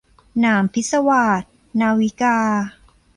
หนามพิศวาส- นาวิกา